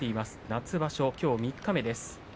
夏場所きょう三日目です。